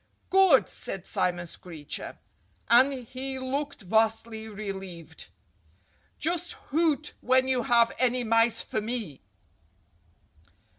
"Good!" said Simon Screecher. And he looked vastly relieved. "Just hoot when you have any mice for me!"